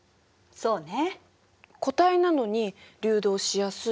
そうね。